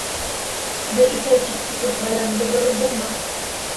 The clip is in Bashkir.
Бер иҫәр китте тип байрамды боҙоп булмаҫ.